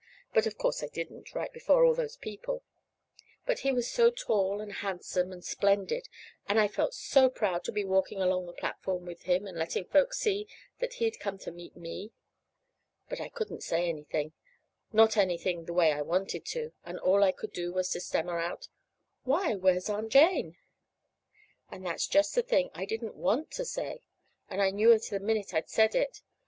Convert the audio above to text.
But of course I didn't, right before all those people. But he was so tall and handsome and splendid, and I felt so proud to be walking along the platform with him and letting folks see that he'd come to meet me! But I couldn't say anything not anything, the way I wanted to; and all I could do was to stammer out: "Why, where's Aunt Jane?" And that's just the thing I didn't want to say; and I knew it the minute I'd said it.